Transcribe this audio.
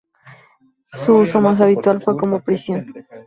Su uso más habitual fue como prisión.